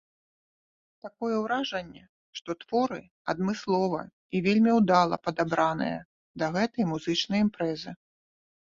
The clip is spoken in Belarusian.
Такое ўражанне, што творы адмыслова і вельмі ўдала падабраныя да гэтай музычнай імпрэзы.